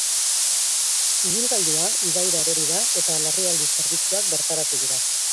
Ibilgailua ibaira erori da, eta larrialdi zerbitzuak bertaratu dira.